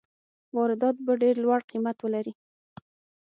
واردات به ډېر لوړ قیمت ولري.